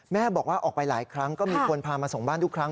แม่บอกว่าออกไปหลายครั้งก็มีคนพามาส่งบ้านทุกครั้ง